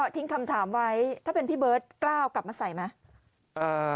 ถึงคำถามไว้ถ้าเป็นให้พี่เบิ้ลเกล้ากลับมาใส่ไหม